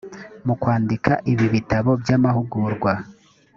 mu kwandika ibi bitabo by’amahugurwa.